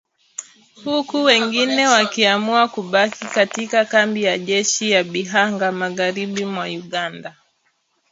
huku wengine wakiamua kubaki katika kambi ya jeshi ya Bihanga, magharibi mwa Uganda